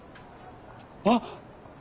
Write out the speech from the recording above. あっ！